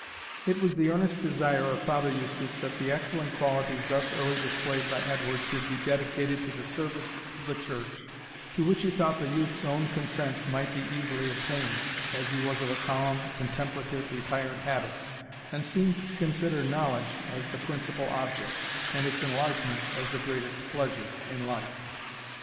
It was the earnest desire of Father Eustace that the excellent qualities thus early displayed by Edward should be dedicated to the service of the Church, to which he thought the youth's own consent might be easily obtained, as he was of a calm, contemplative, retired habit, and seemed to consider knowledge as the principal object, and its enlargement as the greatest pleasure, in life.